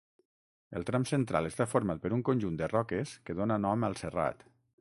El tram central està format per un conjunt de roques que dóna nom al serrat.